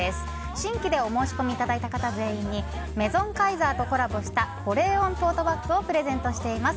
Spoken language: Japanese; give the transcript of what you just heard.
新規でお申し込みいただいた方全員にメゾンカイザーとコラボした保冷温トートバッグをプレゼントしています。